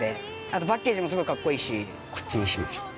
あとパッケージもすごいかっこいいしこっちにしました。